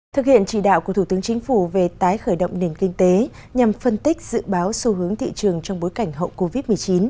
thực hiện chỉ đạo của thủ tướng chính phủ về tái khởi động nền kinh tế nhằm phân tích dự báo xu hướng thị trường trong bối cảnh hậu covid một mươi chín